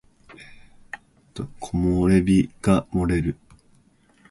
木漏れ日が漏れる